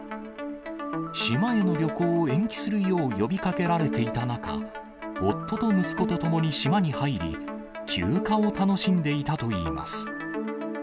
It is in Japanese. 島への旅行を延期するよう呼びかけられていた中、夫と息子と共に島に入り、休暇を楽しんでいたといいます。